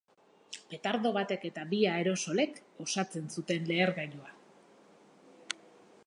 Petardo batek eta bi aerosolek osatzen zuten lehergailua.